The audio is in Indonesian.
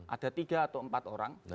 ada tiga atau empat orang